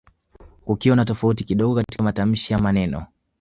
kukiwa na tofauti kidogo katika matamshi ya maneno